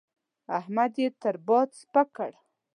احمد يې تر باد سپک کړ.